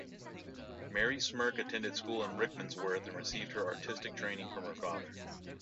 Mary Smirke attended school in Rickmansworth and received her artistic training from her father.